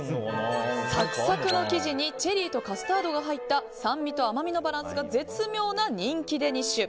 サクサクの生地にチェリーとカスタードが入った酸味と甘みのバランスが絶妙な人気デニッシュ。